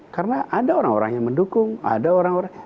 karena ada orang orang yang mendukung ada orang orang yang